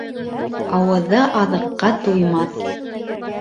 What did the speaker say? Ауыҙы аҙыҡҡа туймаҫ.